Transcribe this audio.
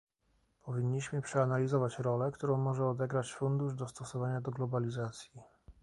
Powinniśmy przeanalizować rolę, którą może odegrać fundusz dostosowania do globalizacji